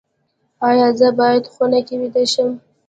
ایا زه باید په خونه کې ویده شم؟